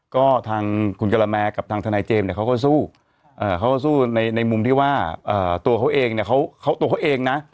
ก็ทางคุณกะละแมกับทางทนายเจมส์เนี่ยเขาก็สู้เขาก็สู้ในมุมที่ว่าตัวเขาเองเนี่ยเขาตัวเขาเองนะ